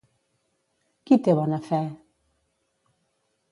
Qui té bona fe?